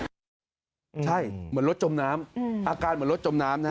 ใช่เหมือนรถจมน้ำอาการเหมือนรถจมน้ำนะฮะ